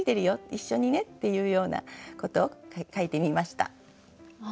一緒にねっていうようなことを描いてみました。